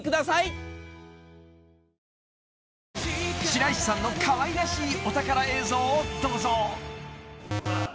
［白石さんのかわいらしいお宝映像をどうぞ］